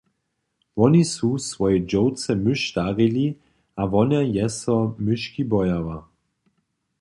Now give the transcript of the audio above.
Woni su swojej dźowce myš darili a wona je so myški bojała.